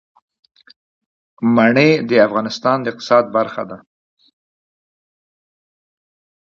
منی د افغانستان د اقتصاد برخه ده.